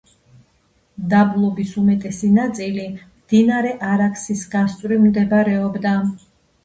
დაბლობის უმეტესი ნაწილი მდინარე არაქსის გასწვრივ მდებარეობდა.